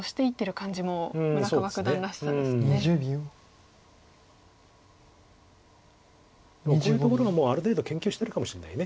でもこういうところはある程度研究してるかもしれない。